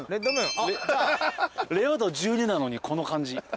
レア度１２なのにこの感じ。